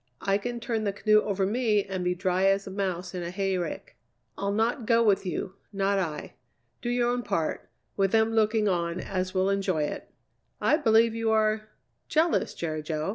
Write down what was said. I can turn the canoe over me and be dry as a mouse in a hayrick. I'll not go with you, not I. Do your own part, with them looking on as will enjoy it." "I believe you are jealous, Jerry Jo."